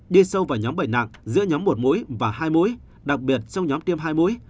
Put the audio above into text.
đi sâu vào nhóm bệnh nặng giữa nhóm một mũi và hai mũi đặc biệt trong nhóm tiêm hai mũi